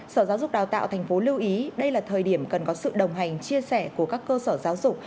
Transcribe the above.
sở giáo dục đào tạo tp lưu ý đây là thời điểm cần có sự đồng hành chia sẻ của các cơ sở giáo dục